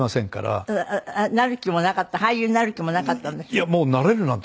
なる気もなかった俳優になる気もなかったんでしょ？